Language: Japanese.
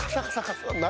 何。